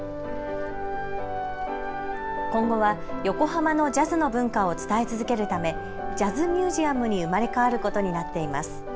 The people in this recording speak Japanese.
今後は横浜のジャズの文化を伝え続けるためジャズミュージアムに生まれ変わることになっています。